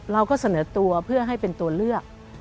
เราก็เสนอตัวเพื่อให้เป็นตัวเลือก